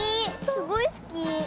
すごいすき。